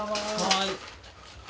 はい。